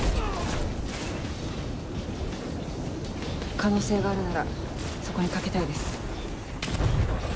可能性があるならそこにかけたいです。